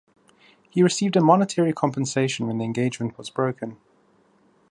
He received a monetary compensation when the engagement was broken.